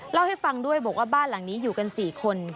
เล่าให้ฟังด้วยบอกว่าบ้านหลังนี้อยู่กัน๔คน